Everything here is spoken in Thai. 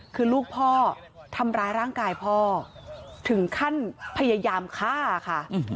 คือลูกพ่อทำร้ายร่างกายพ่อถึงขั้นพยายามฆ่าค่ะ